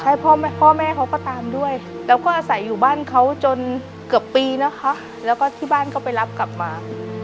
ใช่พ่อแม่พ่อแม่เขาก็ตามด้วยแล้วก็อาศัยอยู่บ้านเขาจนเกือบปีนะคะแล้วก็ที่บ้านก็ไปรับกลับมา